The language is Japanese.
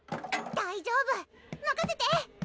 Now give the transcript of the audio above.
大丈夫まかせて！